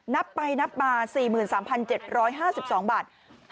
นับไปนับมา๔๓๗๕๒บาท